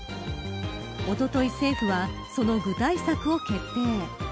おととい、政府はその具体策を決定。